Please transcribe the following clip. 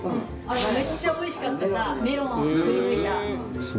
めっちゃおいしかったさメロンをくりぬいた。